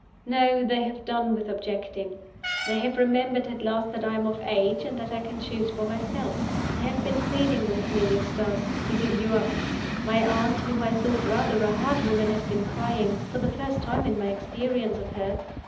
"No, they have done with objecting. They have remembered at last that I am of age, and that I can choose for myself. They have been pleading with me, Eustace, to give you up. My aunt, whom I thought rather a hard woman, has been crying for the first time in my experience of her.